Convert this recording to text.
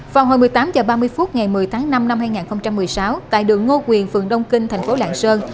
vào hồi một mươi tám h ba mươi phút ngày một mươi tháng năm năm hai nghìn một mươi sáu tại đường ngô quyền phường đông kinh thành phố lạng sơn